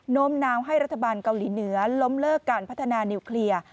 โน้มน้าวให้รัฐบาลเกาหลีเหนือล้มเลิกการพัฒนานิวเคลียร์